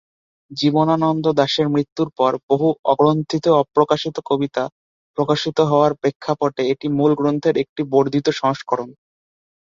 জীবনানন্দ দাশের মৃত্যুর পর বহু অগ্রন্থিত-অপ্রকাশিত কবিতা প্রকাশিত হওয়ার প্রেক্ষাপটে এটি মূল গ্রন্থের একটি বর্ধিত সংস্করণ।